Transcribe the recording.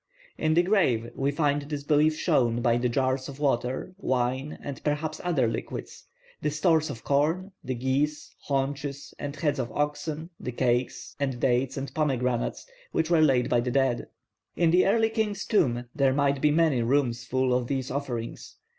In the grave we find this belief shown by the jars of water, wine, and perhaps other liquids, the stores of corn, the geese, haunches and heads of oxen, the cakes, and dates, and pomegranates which were laid by the dead. In an early king's tomb there might be many rooms full of these offerings.